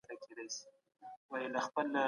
ډیپلوماټیکې اړیکي باید دوامداره وي.